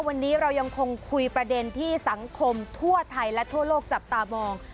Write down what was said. วันนี้เรายังคงคุยประเด็นที่สังคมทั่วไทยและทั่วโลกจับตามอง